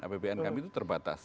apbn kami itu terbatas